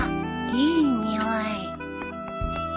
いい匂い。